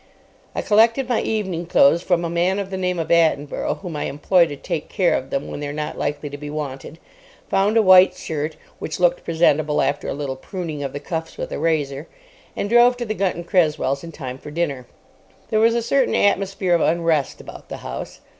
I collected my evening clothes from a man of the name of Attenborough, whom I employ to take care of them when they are not likely to be wanted; found a white shirt, which looked presentable after a little pruning of the cuffs with a razor; and drove to the Gunton Cresswells's in time for dinner. There was a certain atmosphere of unrest about the house.